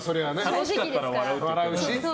楽しかったら笑うしと。